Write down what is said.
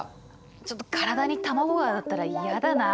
ちょっと体に卵が当たったら嫌だなあ。